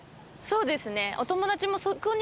そうですね。